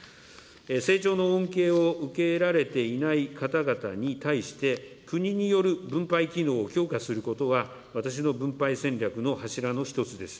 成長の恩恵を受けられていない方々に対して、国による分配機能を強化することは、私の分配戦略の柱の一つです。